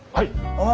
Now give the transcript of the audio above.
お前